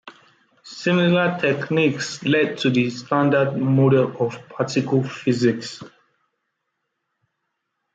Similar techniques led to the standard model of particle physics.